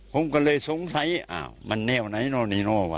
ผมก็เลยสงสัยอ้าวมันเนี่ยวไหนเนี่ยวเนี่ยวว่ะ